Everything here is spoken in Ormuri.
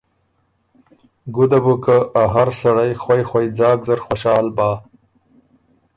ګُده بو که ا هر سړئ خوئ خوئ ځاک زر خوشال بۀ۔